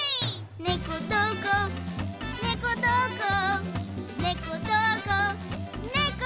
ねこどこねこどこねこどこねこ